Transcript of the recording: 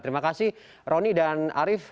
terima kasih roni dan arief